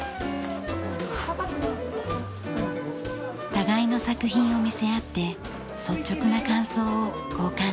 互いの作品を見せ合って率直な感想を交換します。